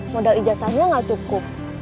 modal ijazahnya gak cukup